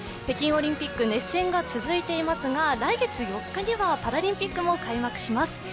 北京オリンピック、熱戦が続いていますが来月４日にはパラリンピックが開幕します。